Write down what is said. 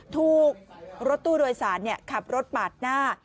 ถูกรถตู้โดยสารขับรถปาดหน้า